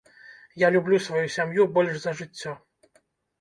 Я люблю сваю сям'ю больш за жыццё.